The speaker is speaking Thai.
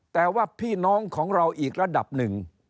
แต่ว่าพี่น้องของเราอีกระดับหนึ่ง